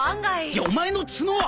いやお前の角は！？